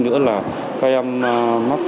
nữa là các em mắc